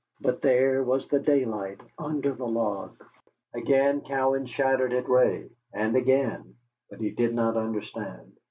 But there was the daylight under the log. Again Cowan shouted at Ray, and again, but he did not understand.